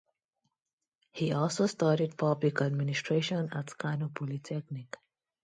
He also studied Public Administration at Kano Polytechnic.